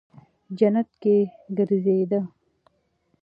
جنت کې گرځېده.